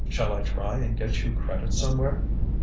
Shall I try and get you credit somewhere?"